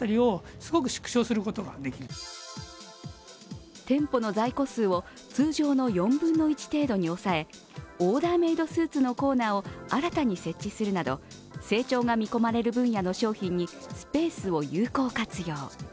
更に店舗の在庫数を通常の４分の１程度に抑え、オーダーメードスーツのコーナーを新たに設置するなど成長が見込まれる分野の商品にスペースを有効活用。